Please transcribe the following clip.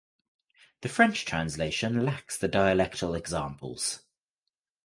The French translation lacks the dialectal examples.